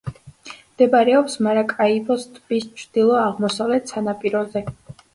მდებარეობს მარაკაიბოს ტბის ჩრდილო-აღმოსავლეთ სანაპიროზე.